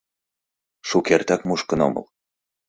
— Шукертак мушкын омыл.